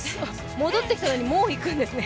戻ってきたのに、もう行くんですね。